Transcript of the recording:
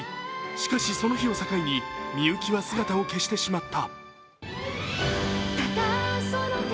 しかし、その日を境にみゆきは姿を消してしまった。